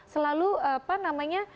selalu apa namanya